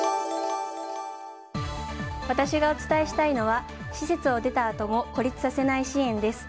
私がお伝えしたいのは施設を出たあとも孤立させない支援です。